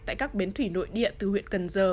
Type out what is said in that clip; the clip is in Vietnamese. tại các bến thủy nội địa từ huyện cần giờ